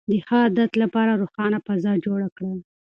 د ښه عادت لپاره روښانه فضا جوړه کړئ.